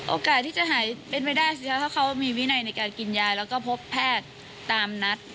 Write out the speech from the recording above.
โอกาสที่จะหายเป็นไปได้สิคะถ้าเขามีวินัยในการกินยาแล้วก็พบแพทย์ตามนัด